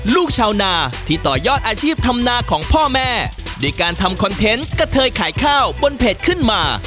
ลูกชาวนาที่ต่อยอดอาชีพธรรมนาของพ่อแม่ด้วยการทำคอนเทนต์กระเทยขายข้าวบนเพจขึ้นมา